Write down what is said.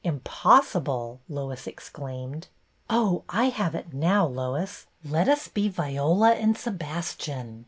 Impossible!" Lois exclaimed. " Oh, I have it now, Lois. Let us be Viola and Sebastian.